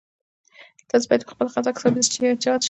تاسي باید په خپله غذا کې سبزیجات شامل کړئ.